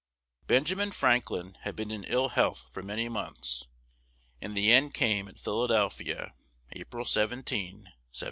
Benjamin Franklin had been in ill health for many months, and the end came at Philadelphia, April 17, 1790.